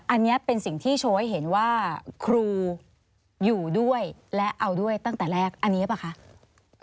อันนี้เป็นสิ่งที่โชว์ให้เห็นว่าครูอยู่ด้วยและเอาด้วยตั้งแต่แรกอันนี้หรือเปล่าคะ